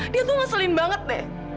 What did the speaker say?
dia tuh ngeselin banget deh